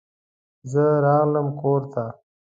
زه راغلم کور ته.